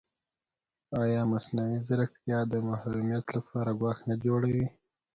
ایا مصنوعي ځیرکتیا د محرمیت لپاره ګواښ نه جوړوي؟